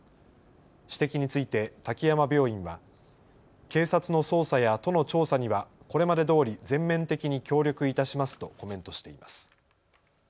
指摘について滝山病院は警察の捜査や都の調査にはこれまでどおり全面的に協力いたしますとコメントしています。